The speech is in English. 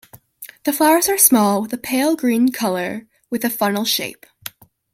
The flowers are small with a pale green colour with a funnel shape.